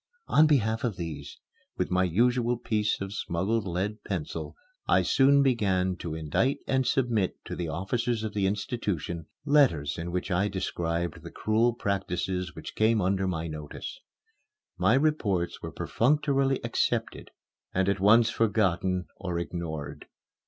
On behalf of these, with my usual piece of smuggled lead pencil, I soon began to indite and submit to the officers of the institution, letters in which I described the cruel practices which came under my notice. My reports were perfunctorily accepted and at once forgotten or ignored.